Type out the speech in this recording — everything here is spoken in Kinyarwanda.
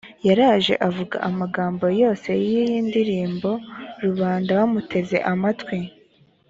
yaraje avuga amagambo yose y’iyi ndirimbo, rubanda bateze amatwi.